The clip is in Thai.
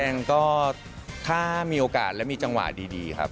แผนแสดงก็ถ้ามีโอกาสแล้วมีจังหวะดีครับ